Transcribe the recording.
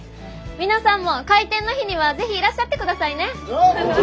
皆さんも開店の日には是非いらっしゃってくださいね。